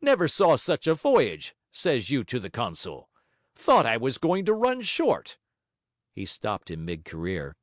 'Never saw such a voyage,' says you to the consul. 'Thought I was going to run short...' He stopped in mid career.